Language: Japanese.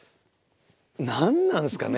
何なんですかね？